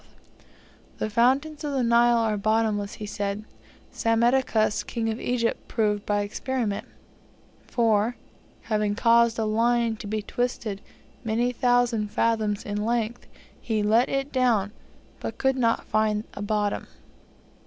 That the fountains of the Nile are bottomless, he said, Psammitichus, king of Egypt, proved by experiment: for, having caused a line to be twisted many thousand fathoms in length, he let it down, but could not find a bottom."